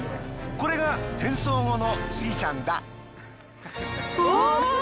これが変装後のスギちゃんだ。